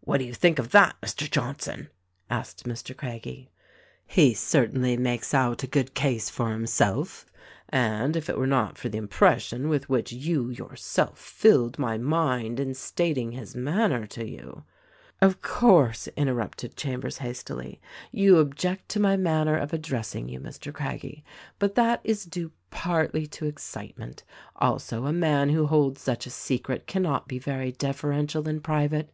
"What do you think of that, Mr. Johnson?" asked Mr Craggie. "He certainly makes out a good case for himself; and if it were not for the impression with which you yourself tilled my mind in stating his manner to you " "Of course," interrupted Chambers hastily, "vou object to my manner of addressing you, Mr. Craggie; but that is due, partly, to excitement. Also, a man who holds such a secret cannot be very deferential in private.